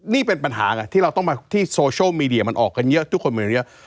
นี่เป็นปัญหาไงที่เราต้องมาที่โซเชียลมีเดียมันออกกันเยอะทุกคนมีเยอะ